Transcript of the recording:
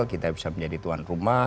kita bisa menjadi tuan rumah